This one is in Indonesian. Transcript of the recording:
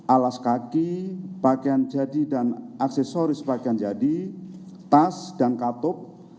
alas kaki pakaian jadi dan aksesoris pakaian jadi tas dan katup